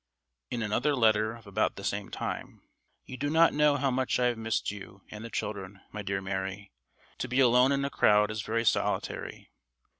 ..." In another letter of about the same time: "You do not know how much I have missed you and the children, my dear Mary. To be alone in a crowd is very solitary.